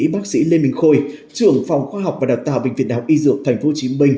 bác sĩ lê minh khôi trưởng phòng khoa học và đào tạo bệnh viện đạo y dược tp hcm